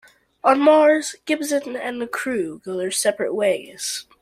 On Mars, Gibson and the crew go their separate ways.